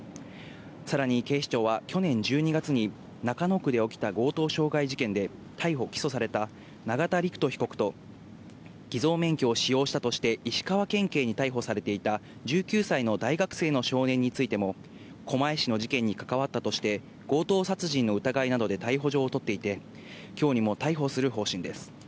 さらに警視庁は去年１２月に中野区で起きた強盗傷害事件で逮捕・起訴された永田陸人被告と偽造免許を使用したとして石川県警に逮捕されていた１９歳の大学生の少年についても、狛江市の事件に関わったとして、強盗殺人の疑いなどで逮捕状を取っていて、今日にも逮捕する方針です。